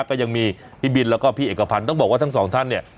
ก็ยังมีพี่บินแล้วก็พี่เอกพันธ์ต้องบอกว่าทั้งสองท่านเนี่ย